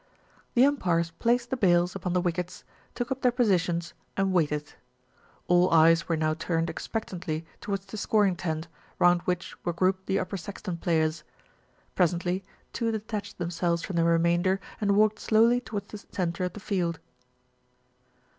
The umpires placed the bails upon the wickets, took up their positions, and waited. All eyes were now turned expectantly towards the scoring tent, round which were grouped the Upper Saxton^players. Pres ently two detached themselves from the remainder and walked slowly towards the centre of the field.